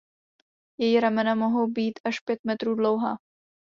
Její ramena mohou být až pět metrů dlouhá.